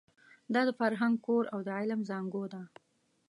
دا د فرهنګ کور او د علم زانګو ده.